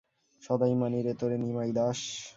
সদাই মানি রে তোরে, নিমাই দাস।